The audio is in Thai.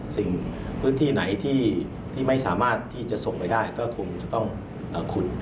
สิ่งพื้นที่ไหนที่ไม่สามารถที่จะส่งไปได้ก็คงจะต้องขุด